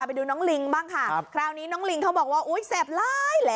ไปดูน้องลิงบ้างค่ะคราวนี้น้องลิงเขาบอกว่าอุ๊ยแสบร้ายแล้ว